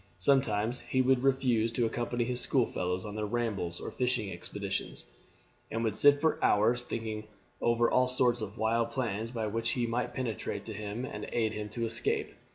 Sometimes he would refuse to accompany his school fellows on their rambles or fishing expeditions, and would sit for hours thinking over all sorts of wild plans by which he might penetrate to him and aid him to escape.